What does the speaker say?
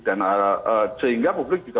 dan sehingga publik juga